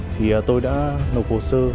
thì tôi đã nộp hồ sơ